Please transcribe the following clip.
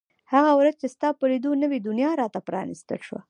هغه ورځ چې ستا په لیدو نوې دنیا را ته پرانیستل شوه.